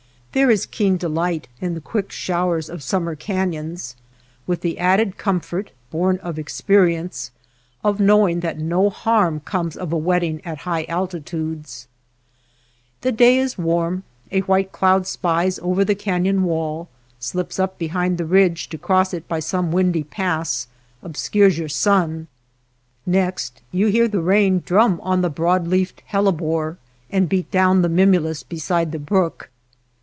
There is keen delight in the quick showers of summer caiions, with the added comfort, born of experience, of knowing that no harm comes of a wetting at high altitudes. The day is warm ; a white cloud spies over the cafion wall, slips up behind the ridge to cross it by some windy pass, obscures your sun. Next you hear the rain drum on the broad leaved 249 NURSLINGS OF THE SKY hellebore, and beat down the mimulus be side the brook.